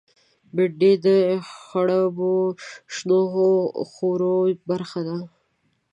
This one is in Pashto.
بېنډۍ د خړوبو شنو خوړو برخه ده